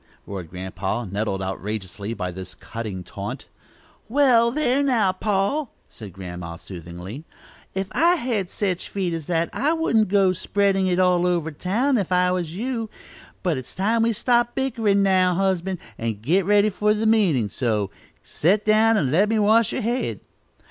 roared Grandpa nettled outrageously by this cutting taunt. "Wall, thar', now, pa," said Grandma, soothingly; "if I had sech feet as that, I wouldn't go to spreadin' it all over town, if I was you but it's time we stopped bickerin' now, husband, and got ready for meetin'; so set down and let me wash yer head."